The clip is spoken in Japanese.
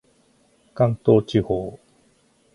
関東地方